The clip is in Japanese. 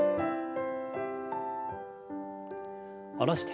下ろして。